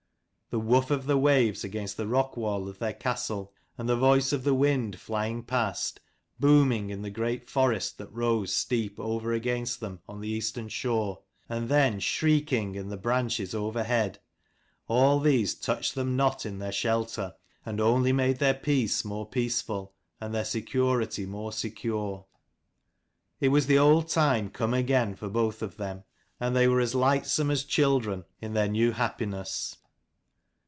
The woof of the waves against the rock wall of their castle, and the voice of the wind flying past, booming in the great forest that rose steep over against them on the eastern shore, and then shrieking in the branches overhead, all these touched them not in their shelter, and only made their peace more peaceful, and their security more secure. It was the old time come again for both of them, and they were as lightsome as children 262 in their new happiness.